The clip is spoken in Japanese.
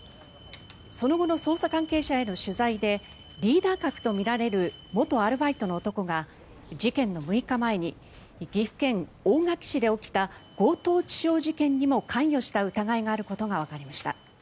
その後の捜査関係者への取材でリーダー格とみられる元アルバイトの男が事件の６日前に岐阜県大垣市で起きた強盗致傷事件にも関与した疑いがあることがわかりました。